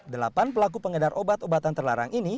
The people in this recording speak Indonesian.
delapan pelaku pengedar obat obatan terlarang ini